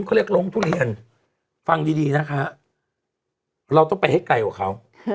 เขาเรียกร้องทุเรียนฟังดีนะคะเราต้องไปให้ไกลกว่าเขา